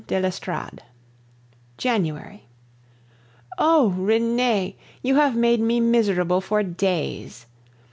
DE L'ESTORADE January. Oh! Renee, you have made me miserable for days!